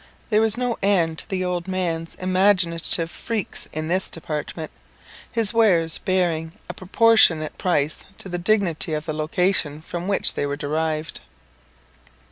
There was no end to the old man's imaginative freaks in this department, his wares bearing a proportionate price to the dignity of the location from which they were derived.